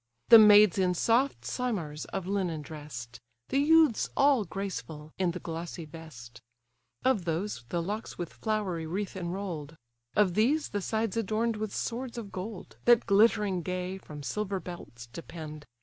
The maids in soft simars of linen dress'd; The youths all graceful in the glossy vest: Of those the locks with flowery wreath inroll'd; Of these the sides adorn'd with swords of gold, That glittering gay, from silver belts depend.